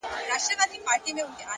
پوه انسان د پوهېدو سفر نه دروي.!